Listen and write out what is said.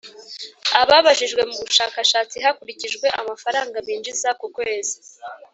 Ababajijwe mu bushakashatsi hakurikijwe amafaranga binjiza ku kwezi